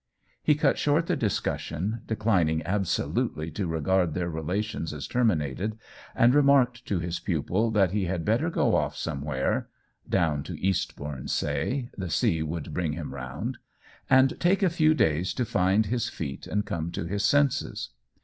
He cut short the discussion, declining absolutely to regard their relations as terminated, and remarked to his pupil that he had better go oil somewhere (down to Eastbourne, say, the sea would bring him round) and take a few days to find his feet and come to his senses.